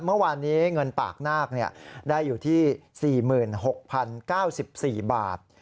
เมื่อวานนี้เงินปากนาคได้อยู่ที่๔๖๐๙๔บาท